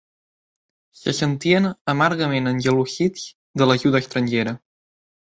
Se sentien amargament engelosits de l'ajuda estrangera.